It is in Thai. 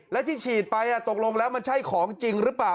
และที่ฉีดไปตกลงแล้วมันใช่ของจริงหรือเปล่า